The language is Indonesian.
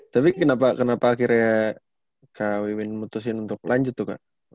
tapi kenapa akhirnya kak wewin memutuskan untuk lanjut tuh kak